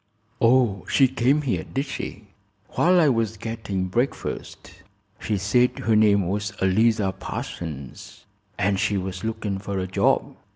"Oh, she came here, did she?" "While I was gettin' breakfast. She said her name was Eliza Parsons, an' she was looking fer a job.